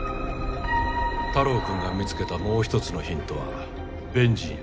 太郎くんが見つけたもう一つのヒントはベンジンや。